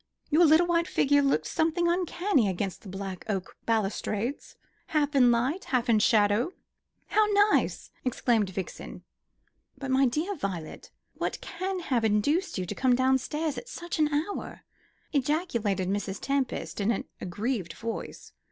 Your little white figure looked like something uncanny against the black oak balustrades, half in light, half in shadow." "How nice!" exclaimed Violet. "But, my dear Violet, what can have induced you to come downstairs at such an hour?" ejaculated Mrs. Tempest in an aggrieved voice.